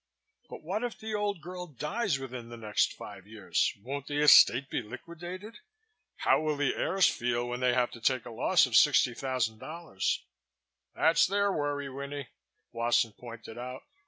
"But what if the old girl dies within the next five years? Won't the estate be liquidated? How will the heirs feel when they have to take a loss of $60,000?" "That's their worry, Winnie," Wasson pointed out.